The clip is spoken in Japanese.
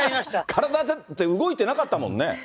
体、だって動いてなかったもんね。